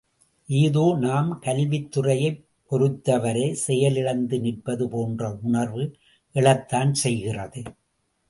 ஏதோ நாம் கல்வித் துறையைப் பொருத்தவரை செயலிழந்து நிற்பது போன்ற உணர்வு எழத்தான் செய்கிறது.